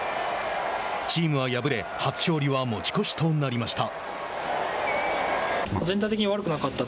チームは敗れ初勝利は持ち越しとなりました。